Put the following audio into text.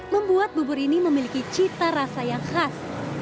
membuat bubur ini memiliki cita rasa yang khas